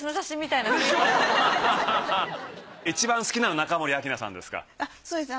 いちばん好きなの中森明菜さんですか？